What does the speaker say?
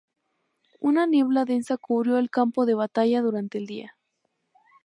Una niebla densa cubrió el campo de batalla durante el día.